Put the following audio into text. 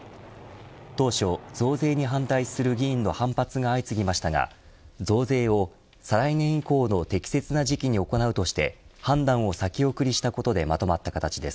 当初、増税に反対する議員の反発が相次ぎましたが増税を再来年以降の適切な時期に行うとして判断を先送りしたことでまとまった形です。